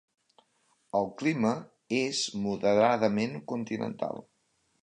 El clima és moderadament continental.